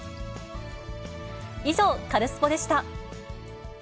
以上、カルスポっ！でした。